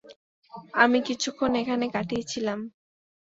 আমি কিছুক্ষণ এখানে কাটিয়েছিলাম।